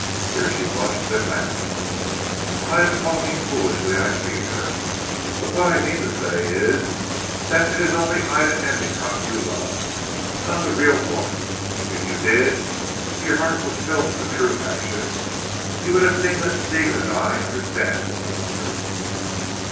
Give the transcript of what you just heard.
Here she blushed and laughed. "I am talking foolishly I fear. But what I mean to say is that it is only Ida Endicotte you love, not the real woman. If you did; if your heart was filled with a true passion, you would have seen that Stephen and I understand one another.